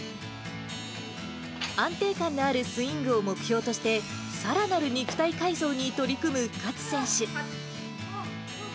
安定感のあるスイングを目標として、さらなる肉体改造に取り組む勝選手。